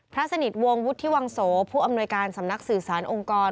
สนิทวงศ์วุฒิวังโสผู้อำนวยการสำนักสื่อสารองค์กร